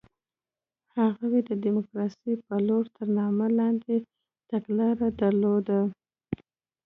هغوی د ډیموکراسۍ په لور تر نامه لاندې تګلاره درلوده.